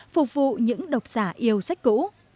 phục vụ những độc giả yêu sách cũ